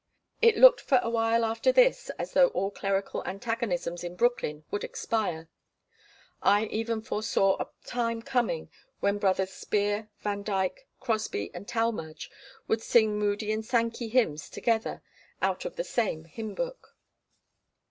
It looked for awhile after this as though all clerical antagonisms in Brooklyn would expire. I even foresaw a time coming when Brothers Speare, Van Dyke, Crosby and Talmage would sing Moody and Sankey hymns together out of the same hymn book.